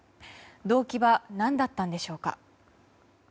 動機は何だったんでしょうか。